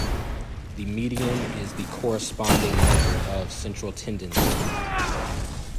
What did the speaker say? The median is the corresponding measure of central tendency.